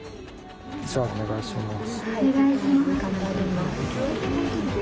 じゃあお願いします。